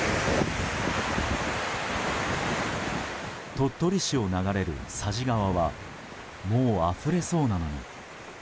鳥取市を流れる佐治川はもうあふれそうなのに。